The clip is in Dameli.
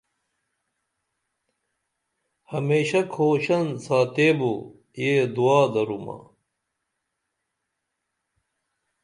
ہمیشہ کھوشن ساتیبو یہ دعا درو ما